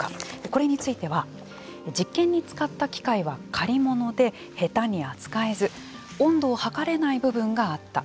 これについては実験に使った機械は借り物で下手に扱えず温度を測れない部分があった。